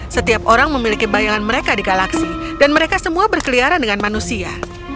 setiap orang memiliki bayangan mereka di galaksi dan mereka semua berkeliaran dengan manusia